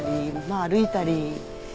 まあ歩いたり？